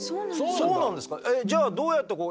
そうなんですか！？